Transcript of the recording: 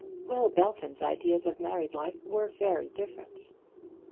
Will Belton's ideas of married life were very different.